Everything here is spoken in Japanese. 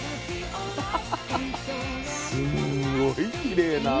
すんごいきれいな赤。